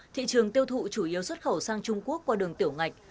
thị trường tiêu thụ chủ yếu xuất khẩu sang trung quốc qua đường tiểu ngạch